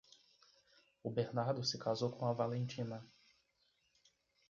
O Bernardo se casou com a Valentina.